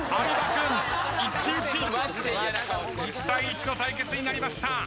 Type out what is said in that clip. １対１の対決になりました。